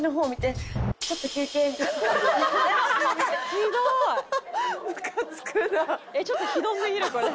えっちょっとひどすぎるこれ。